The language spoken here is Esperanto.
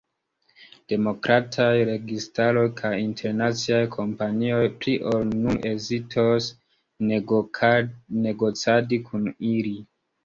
Demokrataj registaroj kaj internaciaj kompanioj pli ol nun hezitos, negocadi kun ili.